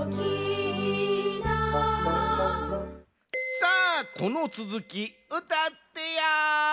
さあこのつづき歌ってや。